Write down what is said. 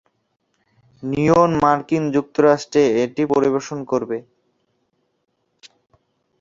নিয়ন মার্কিন যুক্তরাষ্ট্রে এটি পরিবেশন করবে।